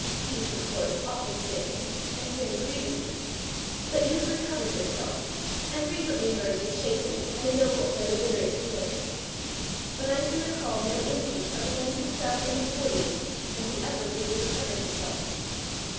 Youth, of course, often sins, and sins grievously; but youth recovers itself, and frequently emerges chastened and ennobled by the bitter experience; but I can recall no instance of a man who fell in the forties and who ever really recovered himself.